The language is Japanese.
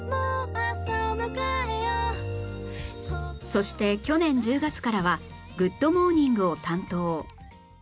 そして去年１０月からは『グッド！モーニング』を担当